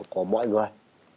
của mọi người